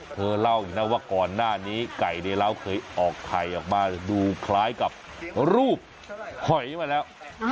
เธอเล่าอีกนะว่าก่อนหน้านี้ไก่ในเล้าเคยออกไข่ออกมาดูคล้ายกับรูปหอยมาแล้ว